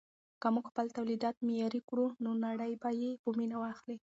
که موږ خپل تولیدات معیاري کړو نو نړۍ به یې په مینه واخلي.